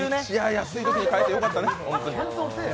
安いときに買えてよかったね。